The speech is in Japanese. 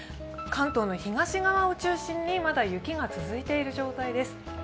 関東の東側を中心にまだ雪が続いている状態です。